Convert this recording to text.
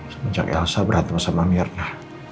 sejak elsa berantem sama myrna